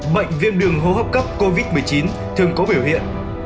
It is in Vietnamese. bệnh viêm đường hô hấp cấp covid một mươi chín thường có biểu hiện